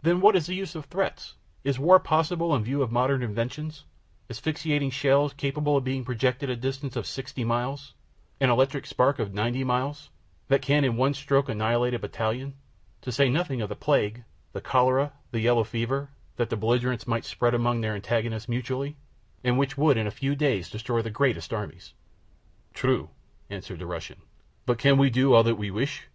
Then, what is the use of threats? Is war possible in view of modern inventions asphyxiating shells capable of being projected a distance of 60 miles, an electric spark of 90 miles, that can at one stroke annihilate a battalion; to say nothing of the plague, the cholera, the yellow fever, that the belligerents might spread among their antagonists mutually, and which would in a few days destroy the greatest armies?" "True," answered the Russian; "but can we do all that we wish?